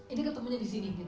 ini ketemunya di sini